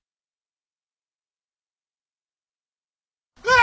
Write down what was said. うわ！